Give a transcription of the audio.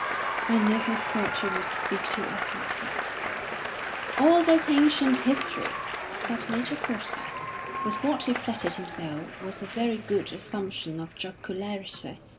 "I never thought you would speak to us like that." "All that's ancient history," said Major Forsyth, with what he flattered himself was a very good assumption of jocularity.